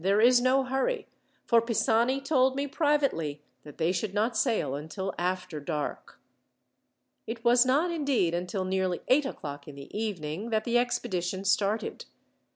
"There is no hurry, for Pisani told me, privately, that they should not sail until after dark." It was not, indeed, until nearly eight o'clock in the evening, that the expedition started.